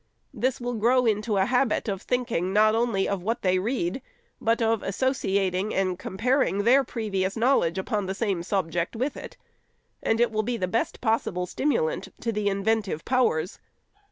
This will grow into a habit of thinking not only of what they read, but of associating and comparing their previous knowledge upon the same subject with it ; and it will be the best possible stimulant to the inventive powers.